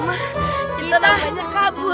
kalau kayak gini kita kabur